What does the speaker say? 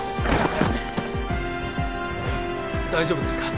大丈夫ですか？